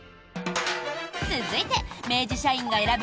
続いて明治社員が選ぶ